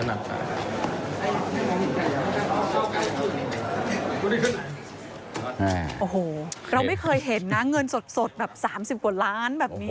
โอ้โหเราไม่เคยเห็นนะเงินสดแบบ๓๐กว่าล้านแบบนี้